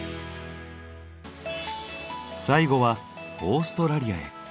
最後はオーストラリアへ。